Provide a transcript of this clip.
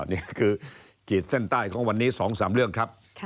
นี่คือขีดเส้นใต้ของวันนี้๒๓เรื่องครับ